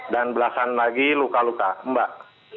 dan belasan lagi luka luka mbak